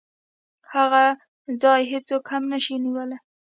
د هغې ځای هېڅوک هم نشي نیولی.